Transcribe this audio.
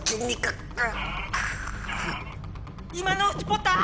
今のうちポタ！